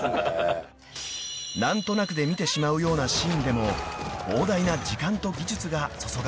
［何となくで見てしまうようなシーンでも膨大な時間と技術が注がれているんです］